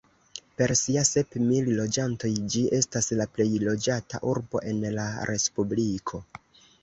Per sia sep mil loĝantoj ĝi estas la plej loĝata urbo en la respubliko.